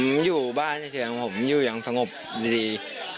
ไม่ครับผมอยู่บ้านในเทียงผมอยู่อย่างสงบดี